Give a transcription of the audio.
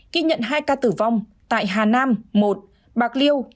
kinh nhận hai ca tử vong tại hà nam một bạc liêu một